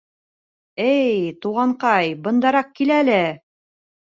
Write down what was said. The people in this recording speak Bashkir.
— Эй, туғанҡай, бындараҡ кил әле!